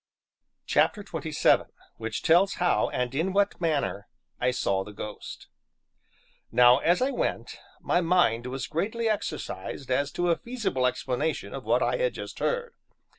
CHAPTER XXVII WHICH TELLS HOW AND IN WHAT MANNER I SAW THE GHOST Now, as I went, my mind was greatly exercised as to a feasible explanation of what I had just heard.